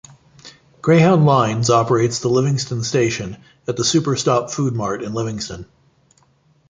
Greyhound Lines operates the Livingston Station at the Super Stop Food Mart in Livingston.